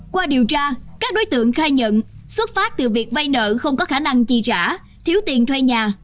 qua điều tra các đối tượng khai nhận xuất phát từ việc vay nợ không có khả năng chi trả thiếu tiền thuê nhà